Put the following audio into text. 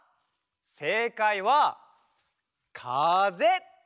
せいかいはかぜ。